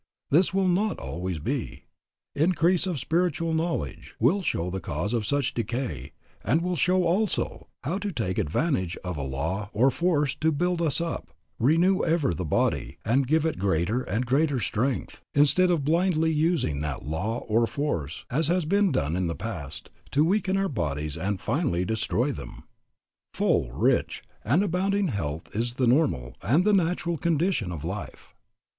This will not always be. Increase of spiritual knowledge will show the cause of such decay, and will show, also, how to take advantage of a Law or Force to build us up, renew ever the body and give it greater and greater strength, instead of blindly using that Law or Force, as has been done in the past, to weaken our bodies and finally destroy them." Full, rich, and abounding health is the normal and the natural condition of life.